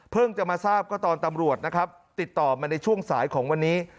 จะมาทราบก็ตอนตำรวจนะครับติดต่อมาในช่วงสายของวันนี้